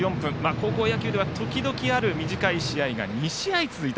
高校野球では時々ある短い試合が２試合続いた。